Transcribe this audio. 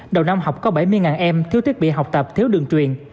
đầu năm học có bảy mươi em thiếu thiết bị học tập thiếu đường truyền